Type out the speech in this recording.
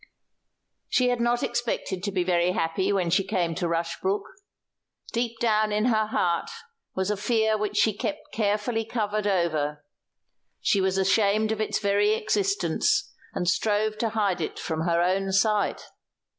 She had not expected to be very happy when she came to Rushbrook. Deep down in her heart was a fear which she kept carefully covered over; she was ashamed of its very existence, and strove to hide it from her own sight.